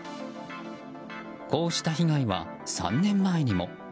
こうした被害は３年前にも。